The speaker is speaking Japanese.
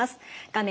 画面